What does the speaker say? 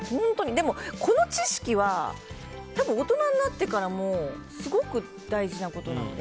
でも、この知識はたぶん大人になってからもすごく大事なことなので。